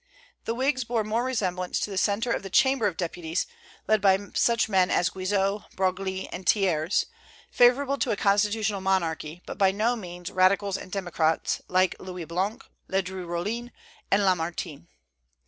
The Whigs bore more resemblance to the Centre of the Chamber of Deputies, led by such men as Guizot, Broglie, and Thiers, favorable to a constitutional monarchy, but by no means radicals and democrats like Louis Blanc, Ledru Rollin, and Lamartine.